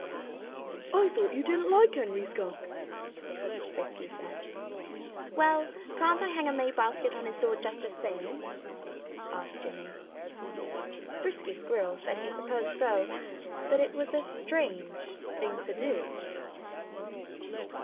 "I thought you didn't like Henry Skunk," Frisky said. "Well, can't I hang a May basket on his door just the same?" asked Jimmy. Frisky Squirrel said he supposed so but it was a strange thing to do.